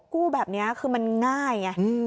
กู้แบบนี้คือมันง่ายไง